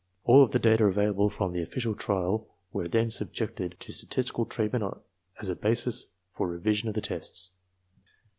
All of the data available from the official trial were then subjected to statistical treatment as a basis for revision of the tests.